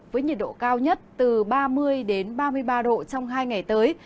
với nhiệt độ cao nhất từ ba mươi ba mươi ba độ trong hai ngày tới